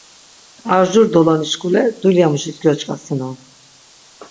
Ar jur doloni şǩule dulyamuşis gyoç̌ǩasinon.